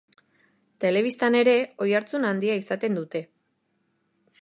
Telebistan ere oihartzun handia izaten dute.